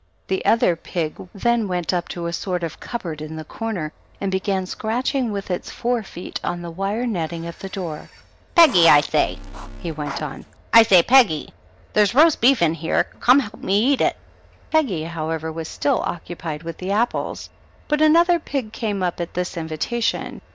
The other pig then went up to a sort of cupboard in PEGGY THE PIG. 27 the corner and began scratching with his fore feet on the wire netting of the door. " Peggy, I say," he went on ; "I say, Peggy I There's roast beef in here ; come help me get it !" Peggy, however, was still occupied with the apples; but another pig came up at this invita tion.